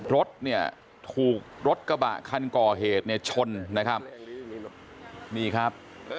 รถเนี่ยถูกรถกระบะคันก่อเหตุเนี่ยชนนะครับนี่ครับ